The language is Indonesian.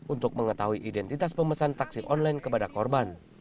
untuk mengetahui identitas pemesan taksi online kepada korban